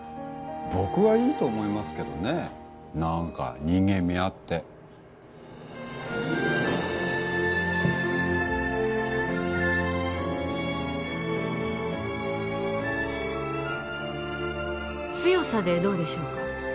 僕はいいと思いますけどね何か人間味あって強さでどうでしょうか？